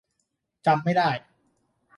จำไม่ได้